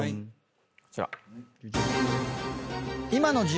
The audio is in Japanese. こちら。